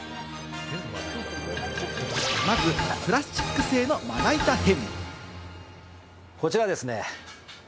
まずプラスチック製のまな板編。